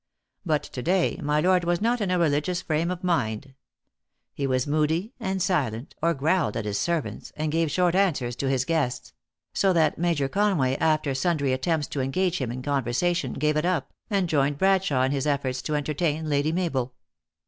But to day my lord was not in a religious frame of mind. He was moody and silent, or growled at his servants, and gave short answers to his guests ; so that Major Conway, after sundry at tempts to engage him in conversation, gave it up, and joined Bradshawe in his efforts to entertain Lady Mabel.